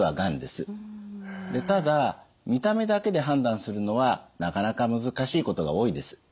ただ見た目だけで判断するのはなかなか難しいことが多いです。